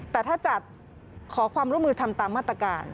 แต่ถ้าจัดขอความร่วมมือทำตามมาตรการ